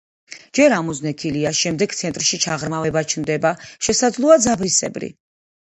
ჯერ ამოზნექილია, შემდეგ ცენტრში ჩაღრმავება ჩნდება, შესაძლოა ძაბრისებრი.